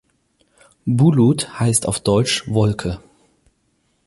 Bulut heißt auf Deutsch „Wolke“.